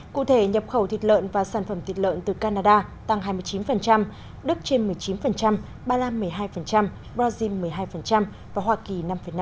cụ thể nhập khẩu thịt lợn và sản phẩm thịt lợn từ canada tăng hai mươi chín đức trên một mươi chín ba la một mươi hai brazil một mươi hai và hoa kỳ năm năm